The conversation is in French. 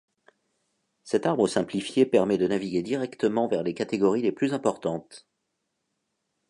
Cet arbre simplifié permet de naviguer directement vers les catégories les plus importantes.